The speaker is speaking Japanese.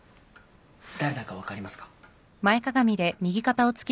誰だか分かりますか？